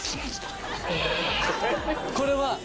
これは。